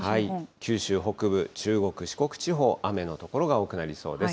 九州北部、中国、四国地方、雨の所が多くなりそうです。